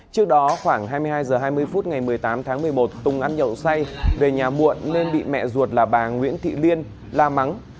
trước đó khoảng hai mươi hai h hai mươi phút ngày một mươi tám tháng một mươi một tùng ăn nhậu say về nhà muộn nên bị mẹ ruột là bà nguyễn thị liên la mắng